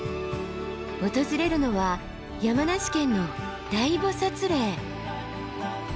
訪れるのは山梨県の大菩嶺。